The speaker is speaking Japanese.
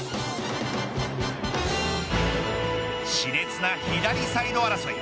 し烈な左サイド争い。